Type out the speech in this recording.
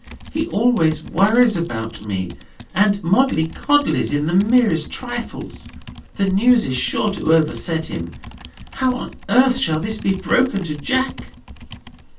He always worries about me, and moddley coddleys in the merest trifles. The news is sure to overset him. How on earth shall this be broken to Jack?"